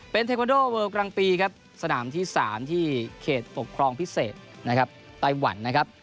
เป็นเทควอนโดเวิลด์กลางปีสนามที่๓สนามที่เขตกับปีศาสตร์พิเศษไตวั่น